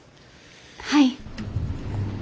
はい。